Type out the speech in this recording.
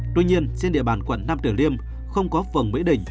tuy nhiên trên địa bàn quận nam tử liêm không có phường mỹ đình